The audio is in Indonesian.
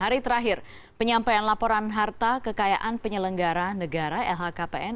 hari terakhir penyampaian laporan harta kekayaan penyelenggara negara lhkpn